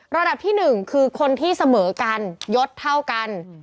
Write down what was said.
ระดับที่๑คือคนที่เสมอกันยดเท่ากัน